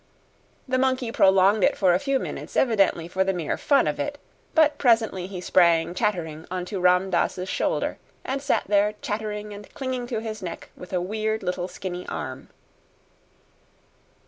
The monkey prolonged it a few minutes evidently for the mere fun of it, but presently he sprang chattering on to Ram Dass's shoulder and sat there chattering and clinging to his neck with a weird little skinny arm.